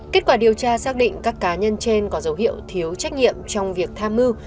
kết quả điều tra xác định các cá nhân trên có dấu hiệu thiếu trách nhiệm trong việc tham mưu